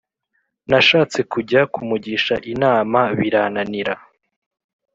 nashatse kujya kumugisha inama birananira